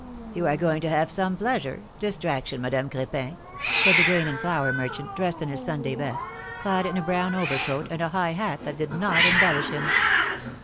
^^You are going to have some pleasure — distraction, Madame Cr^pin,^^ said the grain and flour merchant, dressed in his Sunday best — clad in a brown overcoat, and a high hat that did not embellish him.